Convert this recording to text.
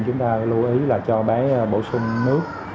chúng ta lưu ý là cho bé bổ sung nước